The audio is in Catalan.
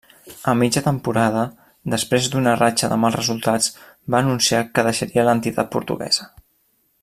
A mitja temporada, després d'una ratxa de mals resultats, va anunciar que deixaria l'entitat portuguesa.